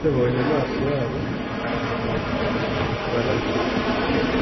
Babibonye amaso yabo arahumuka baramu